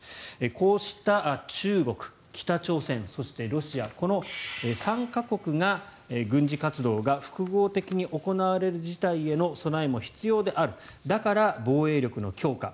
こうした中国、北朝鮮そしてロシア、この３か国が軍事活動が複合的に行われる事態への備えも必要であるだから防衛力の強化